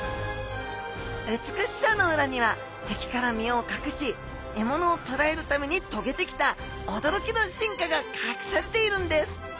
美しさの裏にはてきから身をかくし獲物をとらえるためにとげてきたおどろきの進化がかくされているんです！